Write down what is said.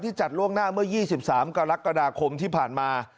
ที่จัดล่วงหน้าเมื่อ๒๓กกที่ผ่านมา